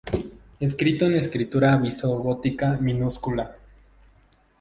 Escrito en escritura visigótica minúscula.